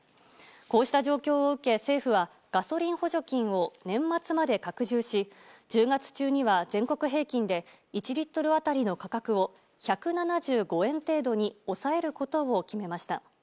こうした状況を受け、政府はガソリン補助金を年末まで拡充し１０月中には全国平均で１リットル当たりの価格を１７５円程度に抑えることを決めました。